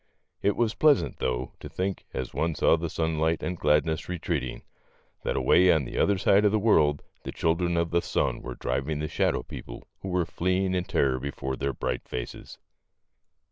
It was pleas ant, though, to think, as one saw the sunlight and gladness retreating, that away on the other side of the world the children of the sun were driving the shadow people who were fleeing in terror before their bright faces.